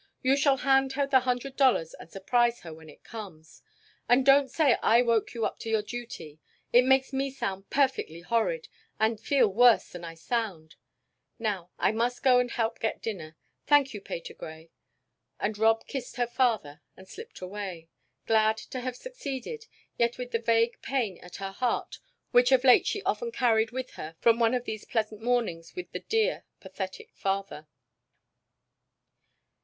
"You shall hand her the hundred dollars and surprise her when it comes. And don't say I woke you up to your duty. It makes me sound perfectly horrid, and feel worse than I sound. Now I must go help get dinner. Thank you, Patergrey." And Rob kissed her father, and slipped away, glad to have succeeded, yet with the vague pain at her heart which of late she often carried with her from one of these pleasant mornings with the dear, pathetic father.